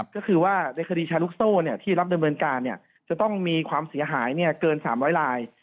ก็คือว่าในคดีชาลูกโซ่ที่รับดำเนินการจะต้องมีความเสียหายเกิน๓๐๐ลาย